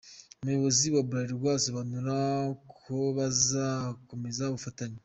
Umuyobozi wa Bralirwa asobanura ko bazakomeza ubufatanye.